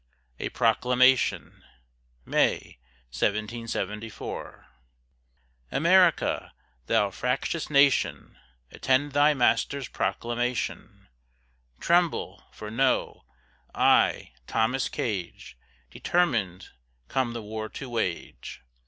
A PROCLAMATION [May, 1774] America! thou fractious nation, Attend thy master's proclamation! Tremble! for know, I, Thomas Gage, Determin'd come the war to wage.